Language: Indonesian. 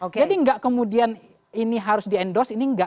jadi gak kemudian ini harus di endorse ini gak